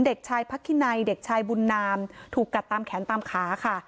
เด็กชายพักคินัยเด็กชายบุญนามถูกกัดตามแขนตามขาค่ะ